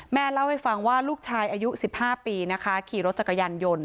เล่าให้ฟังว่าลูกชายอายุ๑๕ปีนะคะขี่รถจักรยานยนต์